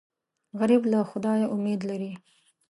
غریب له خدایه امید لري